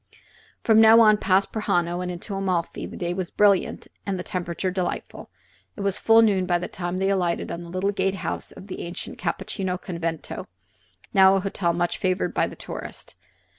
From now on, past Prajano and into Amalfi, the day was brilliant and the temperature delightful. It was full noon by the time they alighted at the little gate house of the ancient Cappuccini Convento, now a hotel much favored by the tourist.